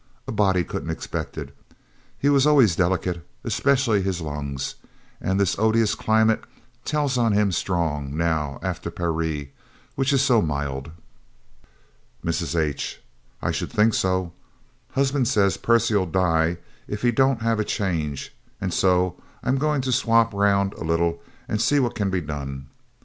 A body couldn't expect it. He was always delicate especially his lungs and this odious climate tells on him strong, now, after Parry, which is so mild." Mrs. H: "I should think so. Husband says Percy'll die if he don't have a change; and so I'm going to swap round a little and see what can be done.